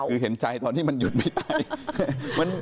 คือเห็นใจตอนที่มันหยุดไม่ได้